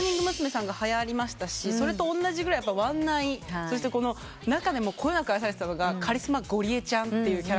さんがはやりましたしそれとおんなじぐらい『ワンナイ』そして中でもこよなく愛されてたのがカリスマゴリエちゃんっていうキャラクター。